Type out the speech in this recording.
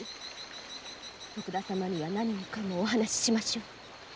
徳田様には何もかもお話しましょう。